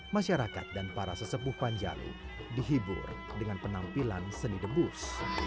masyarakat dan para sesepuh panjalu dihibur dengan penampilan seni debus